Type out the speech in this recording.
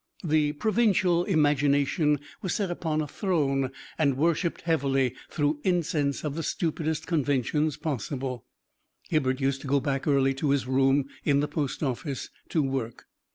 The provincial imagination was set upon a throne and worshipped heavily through incense of the stupidest conventions possible. Hibbert used to go back early to his room in the post office to work.